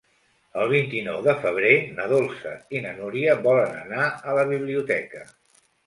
El vint-i-nou de febrer na Dolça i na Núria volen anar a la biblioteca.